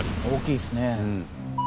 大きいですね。